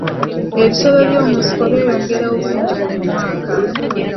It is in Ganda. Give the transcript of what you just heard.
Ebisolo by'omu nsiko byeyongera obungi buli mwaka.